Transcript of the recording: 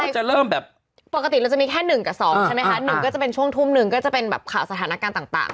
จะเริ่มแบบปกติเราจะมีแค่๑กับ๒ใช่ไหมคะ๑ก็จะเป็นช่วงทุ่มหนึ่งก็จะเป็นแบบข่าวสถานการณ์ต่าง